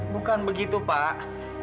bukan begitu pak